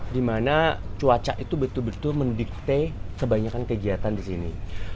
di mana cuaca itu betul betul mendikte kebanyakan kegiatan di sini